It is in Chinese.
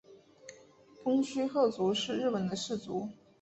蜂须贺氏是日本的氏族。